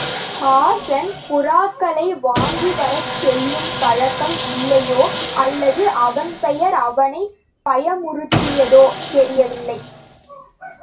ஹாஸான் புறாக்களை வாங்கிவரச் சொல்லும் பழக்கம் இல்லையோ, அல்லது அவன் பெயர் அவனைப் பயமுறுத்தியதோ தெரியவில்லை.